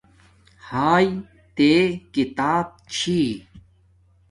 ہاݵݵ تے کتاپ چھی